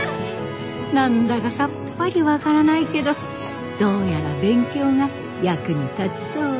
何だかさっぱり分からないけどどうやら勉強が役に立ちそうね。